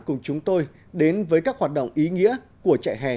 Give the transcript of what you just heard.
cùng chúng tôi đến với các hoạt động ý nghĩa của trại hè